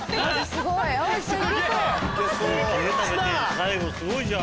最後すごいじゃん。